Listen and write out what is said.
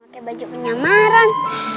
maka baju penyamaran